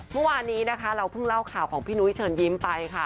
เมื่อวานี้เราเพิ่งเล่าข่าวของพี่นุ้ยเฉินยิ้มไป